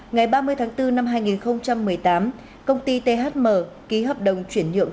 ngày ba mươi tháng bốn năm hai nghìn một mươi tám công ty thm ký hợp đồng chuyển nhượng